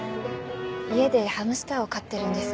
家でハムスターを飼ってるんですが。